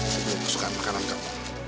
nih aku beli makanan kamu